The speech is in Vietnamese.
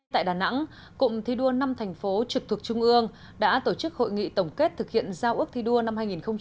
tại đà nẵng cụm thi đua năm thành phố trực thuộc trung ương đã tổ chức hội nghị tổng kết thực hiện giao ước thi đua năm hai nghìn một mươi chín